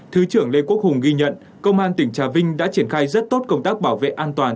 thứ trưởng lê quốc hùng ghi nhận công an tỉnh trà vinh đã triển khai rất tốt công tác bảo vệ an toàn